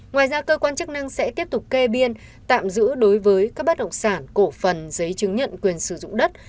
ngoài ra cơ quan chức năng sẽ tiếp tục kê biên tạm giữ đối với các bất động sản cổ phần giấy chứng nhận quyền sử dụng đất